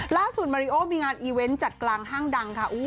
ล่าสุดมาริโอมีงานอีเวนต์จัดกลางห้างดังค่ะ